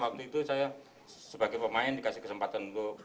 waktu itu saya sebagai pemain dikasih kesempatan untuk